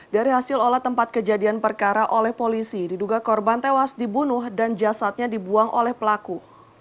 dari hasil olah tempat kejadian perkara oleh polisi diduga korban tewas dibunuh dan jasadnya dibuang oleh pelaku